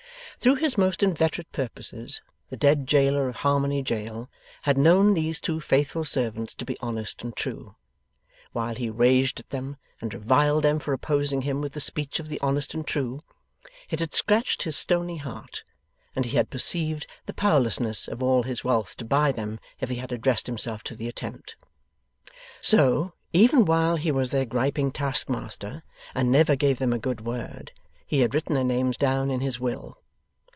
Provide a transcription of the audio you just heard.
Through his most inveterate purposes, the dead Jailer of Harmony Jail had known these two faithful servants to be honest and true. While he raged at them and reviled them for opposing him with the speech of the honest and true, it had scratched his stony heart, and he had perceived the powerlessness of all his wealth to buy them if he had addressed himself to the attempt. So, even while he was their griping taskmaster and never gave them a good word, he had written their names down in his will.